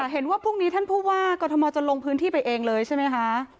เห็นว่าพรุ่งนี้ท่านผู้ว่ากรทมจะลงพื้นที่ไปเองเลยใช่ไหมคะ